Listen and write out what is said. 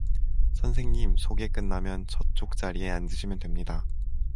선생님 소개 끝나면 저쪽 자리에 앉으시면 됩니다.